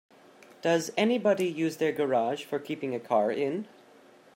Does anybody use their garage for keeping a car in?